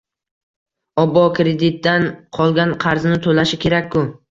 Obbo, kreditdan qolgan qarzini toʻlashi kerak-ku